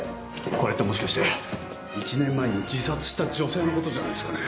これってもしかして１年前に自殺した女性のことじゃないですかね。